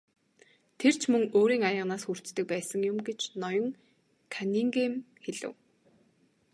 Тэр ч мөн өөрийн аяганаас хүртдэг байсан юм гэж ноён Каннингем хэлэв.